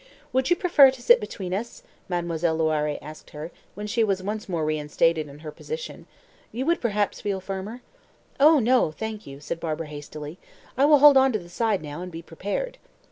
"Would you prefer to sit between us?" Mademoiselle Loiré asked her, when she was once more reinstated in her position. "You would perhaps feel firmer?" "Oh, no, thank you," said Barbara hastily. "I will hold on to the side now, and be prepared."